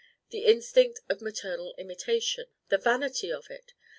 The instinct of maternal imitation the vanity of it!